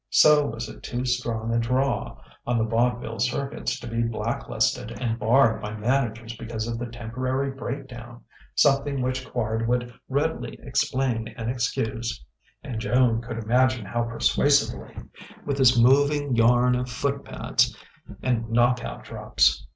So was it too strong a "draw" on the vaudeville circuits to be blacklisted and barred by managers because of the temporary break down: something which Quard would readily explain and excuse (and Joan could imagine how persuasively) with his moving yarn of foot pads and knock out drops.